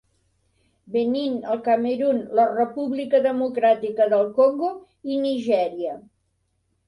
Benín, el Camerun, la República Democràtica del Congo i Nigèria.